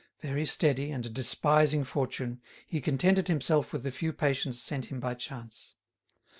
Very steady, and despising fortune, he contented himself with the few patients sent him by chance.